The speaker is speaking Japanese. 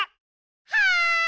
はい！